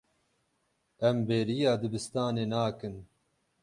Em bêriya dibistanê nakin.